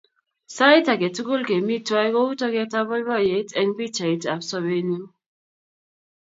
Sait ake tukul kemi twai kou toketap poipoyet eng' pichaiyat ap sobennyu.